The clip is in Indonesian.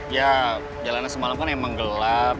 ya jalannya semalam kan emang gelap